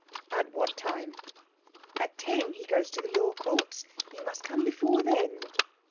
"At what time?" "At ten he goes to the Law Courts. You must come before then."